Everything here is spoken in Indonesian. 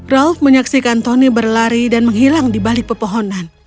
ralf menyaksikan tony berlari dan menghilang di balik pepohonan